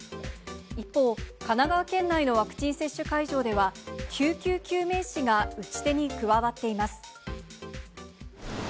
一方、神奈川県内のワクチン接種会場では、救急救命士が打ち手に加わっています。